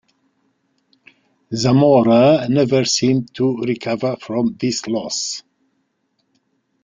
Zamora never seemed to recover from this loss.